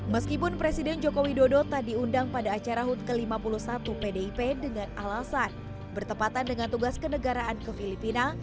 meskipun presiden joko widodo tak diundang pada acara hut ke lima puluh satu pdip dengan alasan bertepatan dengan tugas kenegaraan ke filipina